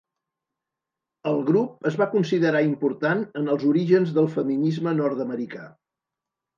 El grup es va considerar important en els orígens del feminisme nord-americà.